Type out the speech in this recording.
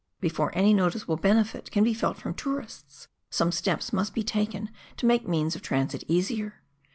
Before any noticeable benefit can be felt from tourists, some steps must be taken to make means of transit easier.